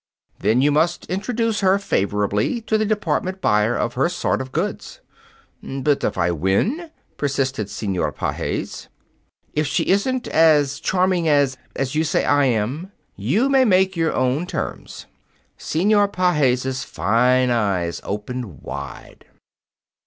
"Then you must introduce her favorably to the department buyer of her sort of goods." "But if I win?" persisted Senor Pages. "If she isn't as charming as as you say I am, you may make your own terms." Senor Pages' fine eyes opened wide.